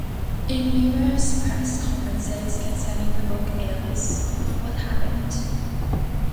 In numerous press conferences concerning the book Elvis, What Happened?